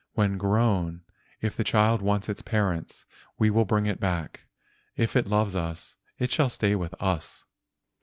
When grown, if the child wants its parents, we will bring it back. If it loves us it shall stay with us."